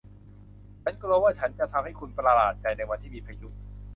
ฉันกลัวว่าฉันจะทำให้คุณประหลาดใจ ในวันที่มีพายุ